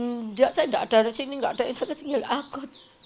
nggak saya nggak ada di sini nggak ada yang sakit ginjal akut